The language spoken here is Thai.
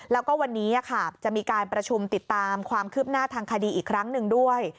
แล้วก็วันนี้จะมีการประชุมติดตามความคืบหน้าทางคดีอีกครั้งหนึ่งด้วย